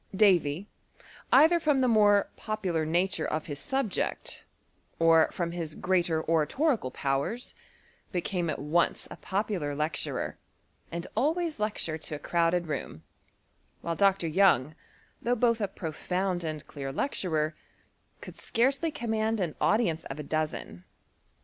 Davy, either ttom the more popular nature of his sul^ect, or firom his greater oratorical powers, became at once a pc^ular lecturer, and always lectured to a crowded vocon ; while Dr. Young, though both a profound and clear lecturer, could scarcely command an au dience of a dozen.